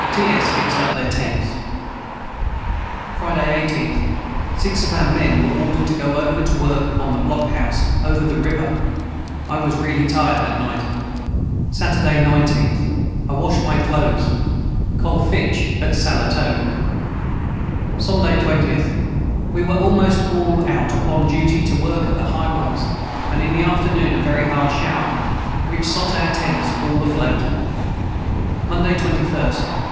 ts fixed up their tents. Friday 18th. 6 of our men were ordered to go over to work upon the Block House over the river I was raly tired at night. Saturday 19th. I washed My clothes Col fitch at Salatogue. Sonday 20th. We were almost all out upon duty to work at the High Ways and in the after noon a very hard shower which sot our tents all aflote. Monday 21st.